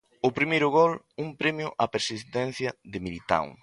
O primeiro gol, un premio á persistencia de Militao.